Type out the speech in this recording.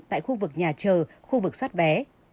tại khu vực nhà chờ khu vực xoát vé